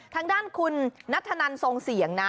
ทางด้านคุณนัทธนันทรงเสียงนะ